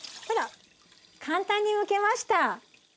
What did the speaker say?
ほら簡単にむけました。